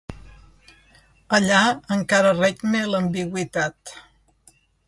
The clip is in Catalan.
Allà encara regna l'ambigüitat.